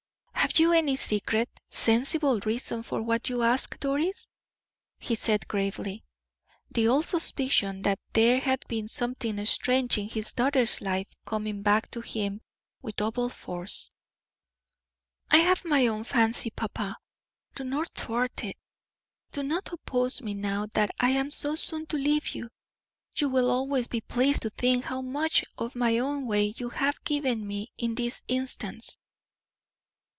"Have you any secret, sensible reason for what you ask, Doris?" he said, gravely, the old suspicion that there had been something strange in his daughter's life coming back to him with double force. "I have my own fancy, papa; do not thwart it, do not oppose me now that I am so soon to leave you. You will always be pleased to think how much of my own way you have given me in this instance."